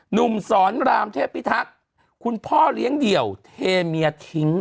หนุ่มสอนรามเทพิทักษ์คุณพ่อเลี้ยงเดี่ยวเทเมียทิ้ง